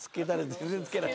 全然つけない。